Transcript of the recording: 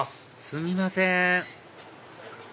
すみません